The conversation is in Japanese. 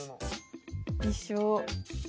一緒。